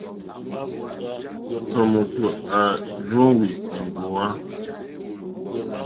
Tɔ̀mòtò à rzóŋwí èŋɡòwá.